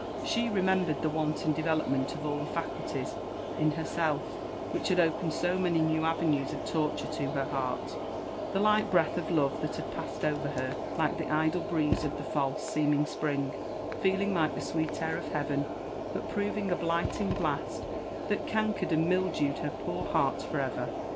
She re membered the wanton developoient of all the faculties in herself wfaidi had opened so many new avenues of torture to her heart, * the li^ breath of love that had pasied over her like the idle breeze of the fahe seeming spring, feeiiog like the sweet ak of heaven, but proving a blighting Uait thai cankered and mildewed her poor heart for ever.